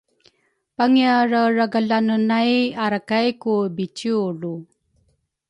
pangiaraeragelane nay arakay ku biciwlu